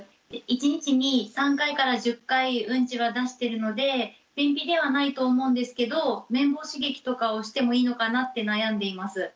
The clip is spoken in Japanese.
１日に３回から１０回ウンチは出してるので便秘ではないと思うんですけど綿棒刺激とかをしてもいいのかなって悩んでいます。